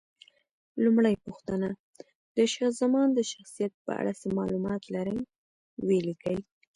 لومړۍ پوښتنه: د شاه زمان د شخصیت په اړه څه معلومات لرئ؟ ویې لیکئ.